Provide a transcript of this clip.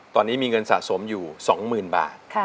ตอนนี้มีเงินสะสมอยู่๒๐๐๐บาท